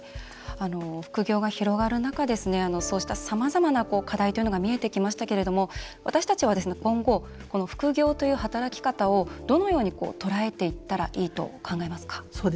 副業が広がる中さまざまな課題が見えてきましたけど私たちは、今後副業という働き方をどのようにとらえていったらいいと考えますか？